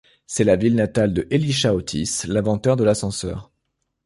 C'est la ville natale de Elisha Otis, l'inventeur de l'ascenseur.